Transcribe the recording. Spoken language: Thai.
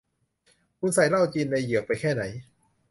คุณใส่เหล้าจินในเหยือกไปแค่ไหน